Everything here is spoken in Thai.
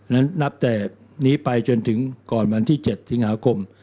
นับแต่นี้ไปจนถึงก่อนวันที่๗สิงหาคม